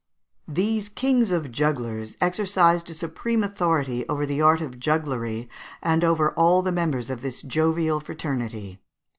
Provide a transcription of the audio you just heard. ] These kings of jugglers exercised a supreme authority over the art of jugglery and over all the members of this jovial fraternity.